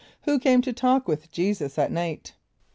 = Who came to talk with J[=e]´[s+]us at night?